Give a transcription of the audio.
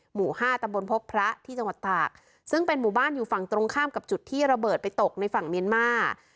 หมู่ห้าตำบลพบพระที่จังหวัดตากซึ่งเป็นหมู่บ้านอยู่ฝั่งตรงข้ามกับจุดที่ระเบิดไปตกในฝั่งเมียนมาร์